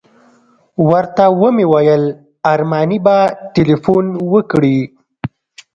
ورته ومې ویل ارماني به تیلفون وکړي.